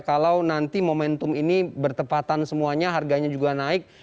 kalau nanti momentum ini bertepatan semuanya harganya juga naik